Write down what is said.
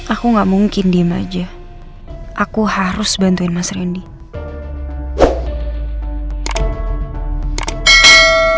aku gak mungkin diem aja aku harus bantuin mas randy